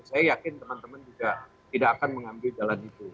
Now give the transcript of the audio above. saya yakin teman teman juga tidak akan mengambil jalan itu